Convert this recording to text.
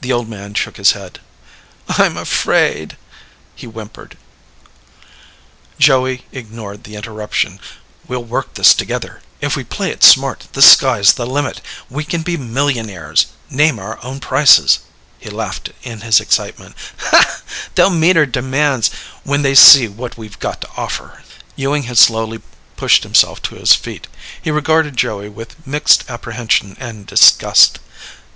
The old man shook his head. "I'm afraid," he whimpered. Joey ignored the interruption. "We'll work this together. If we play it smart, the sky's the limit. We can be millionaires. Name our own prices." He laughed in his excitement. "They'll meet our demands when they see what we've got to offer." Ewing had slowly pushed himself to his feet. He regarded Joey with mixed apprehension and disgust.